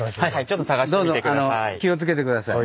どうぞ気を付けて下さい。